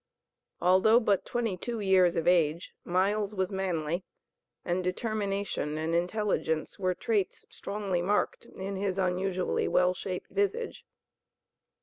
Although but twenty two years of age, Miles was manly, and determination and intelligence were traits strongly marked in his unusually well shaped visage.